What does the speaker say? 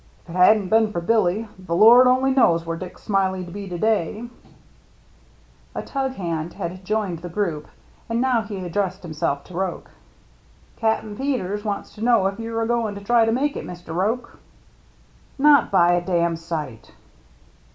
If it hadn't been for Billy, the Lord only knows where Dick Smiley'd be to day." 20 THE MERRT ANNE A tug hand had joined the group, and now he addressed himself to Roche. "Cap'n Peters wants to know if you're a goin' to try to make it, Mr. Roche." "Not by a dam' sight."